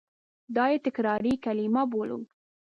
دا یې تکراري کلیمه بولو.